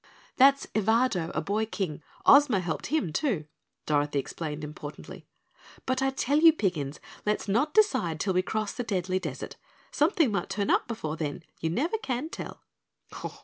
"That's Evardo, a boy King. Ozma helped him, too," Dorothy explained importantly. "But I tell you, Piggins, let's not decide till we cross the Deadly Desert. Something might turn up before then. You never can tell."